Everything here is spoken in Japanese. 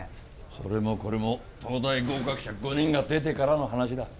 それもこれも東大合格者５人が出てからの話だ